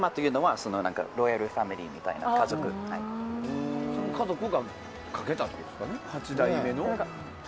その家族が架けたってことですかね。